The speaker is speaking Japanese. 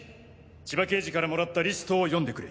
千葉刑事からもらったリストを読んでくれ。